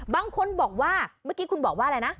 บางคนบอกว่าเมื่อกี้คุณบอกว่าอะไรนะ